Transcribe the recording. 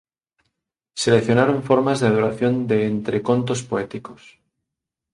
Seleccionaron formas de adoración de entre contos poéticos.